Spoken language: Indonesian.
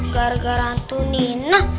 gara gara tuh nina